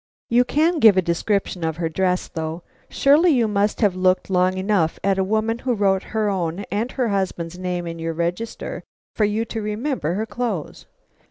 "You can give a description of her dress, though; surely you must have looked long enough at a woman who wrote her own and her husband's name in your register, for you to remember her clothes."